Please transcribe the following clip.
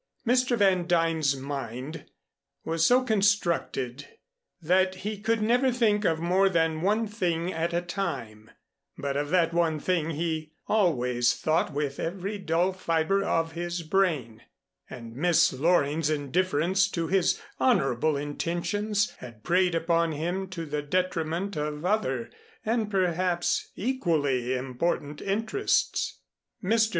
Mr. Van Duyn's mind was so constructed that he could never think of more than one thing at a time; but of that one thing he always thought with every dull fiber of his brain, and Miss Loring's indifference to his honorable intentions had preyed upon him to the detriment of other and, perhaps, equally important interests. Mr.